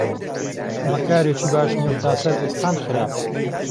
ئهمه کارێکی باش نییە و تا سەر ئێسقان خراپە